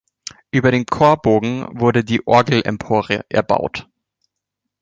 Über dem Chorbogen wurde die Orgelempore erbaut.